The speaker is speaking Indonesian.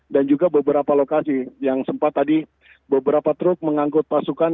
dan juga beberapa lokasi yang sempat tadi beberapa truk mengangkut pasukan